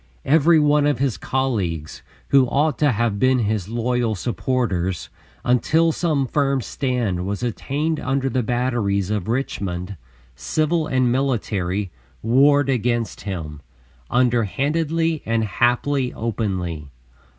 Every one of his colleagues, who ought to have been his loyal supporters, until some firm stand was attained under the batteries of Richmond, civil and military, warred against him, underhandedly and haply openly.